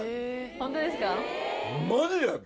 ホントですか？